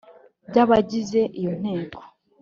by abagize iyo nteko